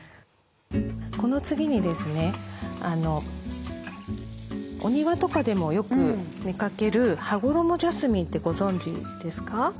この次にですねお庭とかでもよく見かけるハゴロモジャスミンってご存じですか？